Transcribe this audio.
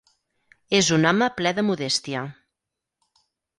És un home ple de modèstia.